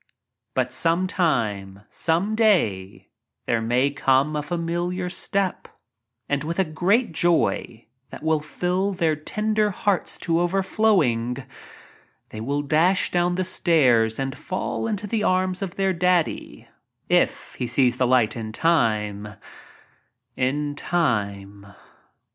But some time— some day — there may come a familiar step — and with a great joy, that will fill their tender hearts to overflowing, they will dash down the stairs and fall into the arms of their "Daddy" — if he sees the light in time—in time.